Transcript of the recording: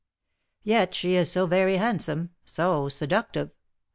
"Yet she is so very handsome, so seductive!